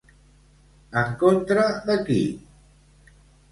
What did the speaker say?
En contra de qui?